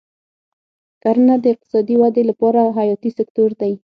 کرنه د اقتصادي ودې لپاره حیاتي سکتور دی.